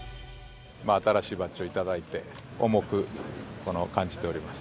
新しいバッジを頂いて、重く感じております。